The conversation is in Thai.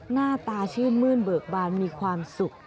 หน้าตาชื่นมื้นเบิกบานมีความสุข